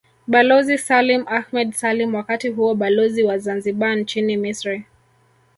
Balozi Salim Ahmed Salim wakati huo Balozi wa Zanzibar nchini Misri